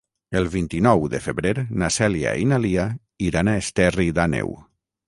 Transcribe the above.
El vint-i-nou de febrer na Cèlia i na Lia iran a Esterri d'Àneu.